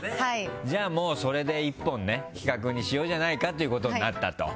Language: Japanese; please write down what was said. じゃあ、それで１本企画にしようじゃないかってことになったという。